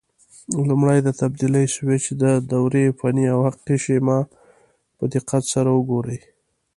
لومړی د تبدیل سویچ د دورې فني او حقیقي شیما په دقت سره وګورئ.